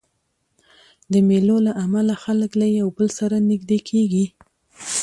د مېلو له امله خلک له یو بل سره نږدې کېږي.